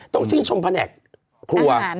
ต้องชื่นชมแผนกครัว